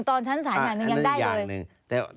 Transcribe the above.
ตอนชั้นศาลอย่างหนึ่งยังได้เลย